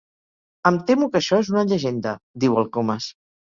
Em temo que això és una llegenda —diu el Comas—.